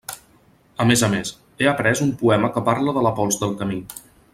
A més a més, he aprés un poema que parla de la pols del camí.